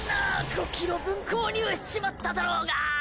５ｋｇ分購入しちまっただろうが！